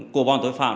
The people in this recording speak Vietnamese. của bọn tội phạm